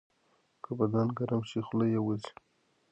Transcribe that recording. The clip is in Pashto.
که بدن ګرم شي، خوله یې وځي.